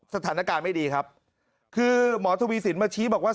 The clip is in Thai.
สถานการณ์ไม่ดีครับคือหมอทวีสินมาชี้บอกว่า